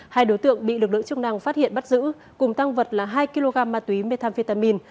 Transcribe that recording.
hai đối tượng bị lực lượng chức năng phát hiện bắt giữ cùng tăng vật là hai kg ma túy methamphetamin